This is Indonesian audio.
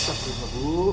tepuk tangan bu